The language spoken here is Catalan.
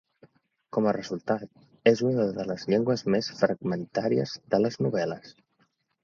Com a resultat, és una de les llengües més fragmentàries de les novel·les.